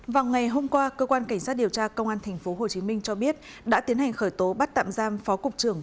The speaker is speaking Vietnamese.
vào ngày hôm qua cơ quan cảnh sát điều tra công an tp hcm cho biết đã tiến hành khởi tố bắt tạm giam phó cục trưởng